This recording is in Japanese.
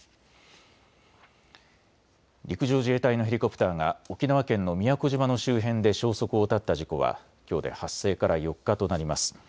陸上自衛隊のヘリコプターが沖縄県の宮古島の周辺で消息を絶った事故はきょうで発生から４日となります。